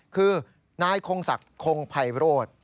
คือนายคงศักดิ์คงภัยโรธ